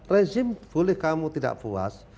rezim boleh kamu tidak puas